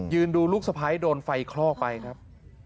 ดูลูกสะพ้ายโดนไฟคลอกไปครับ